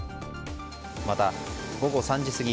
また午後３時過ぎ